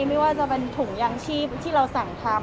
ไม่ว่าจะเป็นถุงยางชีพที่เราสั่งทำ